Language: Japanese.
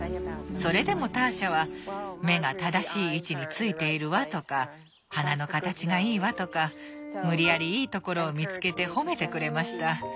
それでもターシャは「目が正しい位置についているわ」とか「鼻の形がいいわ」とか無理やりいいところを見つけて褒めてくれました。